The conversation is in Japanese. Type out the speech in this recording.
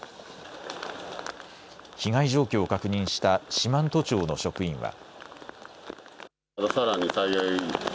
被害状況を確認した四万十町の職員は。